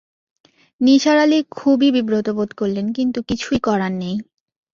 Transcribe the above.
নিসার আলি খুবই বিব্রত বোধ করলেন, কিন্তু কিছুই করার নেই।